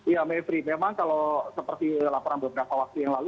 ya mevri memang kalau seperti laporan beberapa waktu yang lalu